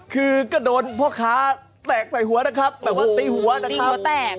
คือก็โดนพ่อค้าแตกใส่หัวนะครับแบบว่าตีหัวนะครับ